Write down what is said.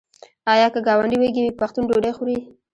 آیا که ګاونډی وږی وي پښتون ډوډۍ خوري؟